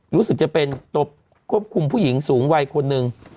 รู้สึกจะเป็นตัวควบคุมผู้หญิงสูงวัยคนหนึ่ง